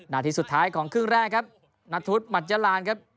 นาทีสุดท้ายของครึ่งแรกครับนัทธุมัชยาลานครับ